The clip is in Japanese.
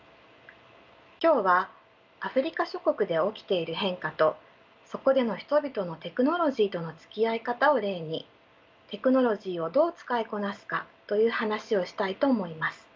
今日はアフリカ諸国で起きている変化とそこでの人々のテクノロジーとのつきあい方を例にテクノロジーをどう使いこなすかという話をしたいと思います。